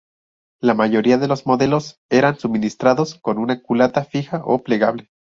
La mayoría de los modelos eran suministrados con una culata fija o plegable.